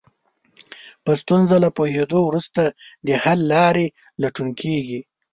په ستونزه له پوهېدو وروسته د حل لارې لټون کېږي.